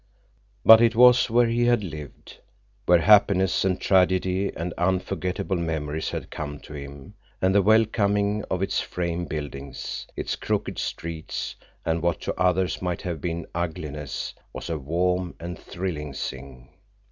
But it was where he had lived, where happiness and tragedy and unforgetable memories had come to him, and the welcoming of its frame buildings, its crooked streets, and what to others might have been ugliness, was a warm and thrilling thing.